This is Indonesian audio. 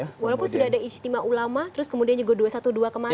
walaupun sudah ada ijtima ulama terus kemudian juga dua ratus dua belas kemarin